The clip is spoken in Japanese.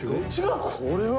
「これは」